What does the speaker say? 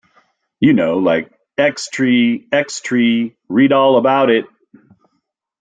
You know, like 'X-Tree, X-Tree read all about it!'.